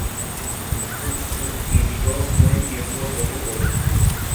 Azul indicó buen tiempo, rojo pobre.